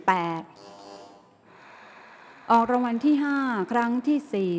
ออกรางวัลที่๕ครั้งที่๔